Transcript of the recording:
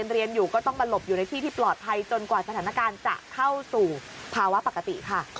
เรียนอยู่ก็ต้องมาหลบอยู่ในที่ที่ปลอดภัยจนกว่าสถานการณ์จะเข้าสู่ภาวะปกติค่ะ